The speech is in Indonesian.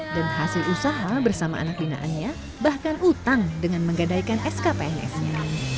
dan hasil usaha bersama anak binaannya bahkan utang dengan menggadaikan skpns nya